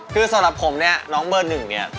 คือสำหรับผมเนี่ยน้องเบอร์หนึ่งเนี่ย